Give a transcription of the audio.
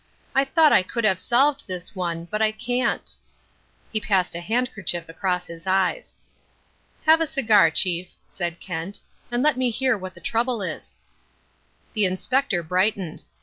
"I thought I could have solved this one, but I can't." He passed a handkerchief across his eyes. "Have a cigar, Chief," said Kent, "and let me hear what the trouble is." The Inspector brightened.